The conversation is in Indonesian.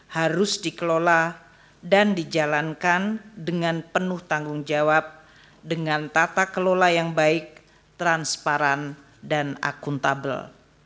harus dikelola dan dijalankan dengan penuh tanggung jawab dengan tata kelola yang baik transparan dan akuntabel